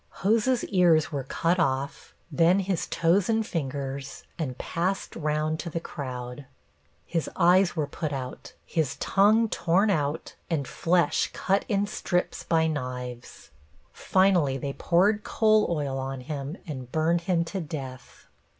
Hose's ears were cut off, then his toes and fingers, and passed round to the crowd. His eyes were put out, his tongue torn out and flesh cut in strips by knives. Finally they poured coal oil on him and burned him to death.